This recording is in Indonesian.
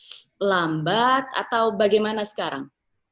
pace yang lambat atau bagaimana sekarang